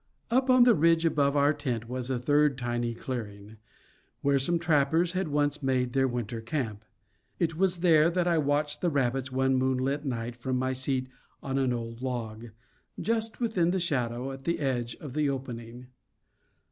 Up on the ridge above our tent was a third tiny clearing, where some trappers had once made their winter camp. It was there that I watched the rabbits one moonlight night from my seat on an old log, just within the shadow at the edge of the opening.